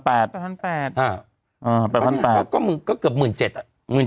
แปดพันแปดอ่าเออแปดพันแปดก็เกือบหมื่นเจ็ดอ่ะหมื่น